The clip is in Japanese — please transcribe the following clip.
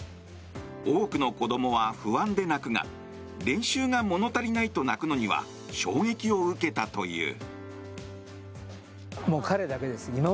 多くの子供は不安で泣くが練習が物足りないと泣くのには衝撃を受けたという。